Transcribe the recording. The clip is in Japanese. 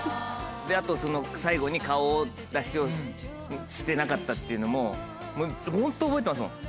あとその最後に顔出しをしてなかったっていうのももうホント覚えてますもん。